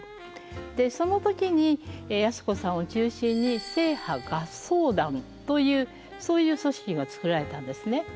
その時に靖子さんを中心に正派合奏団というそういう組織が作られたんですね。